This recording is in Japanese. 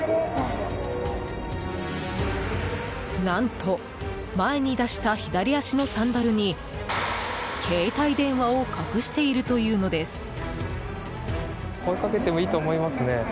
何と、前に出した左足のサンダルに携帯電話を隠しているというのです。